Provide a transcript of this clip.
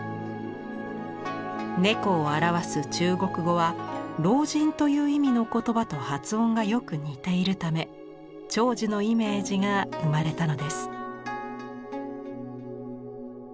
「猫」を表す中国語は「老人」という意味の言葉と発音がよく似ているため長寿のイメージが生まれたのです。